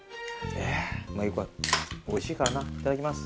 おいしいからないただきます。